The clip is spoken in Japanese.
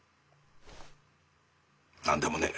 何でもねえ。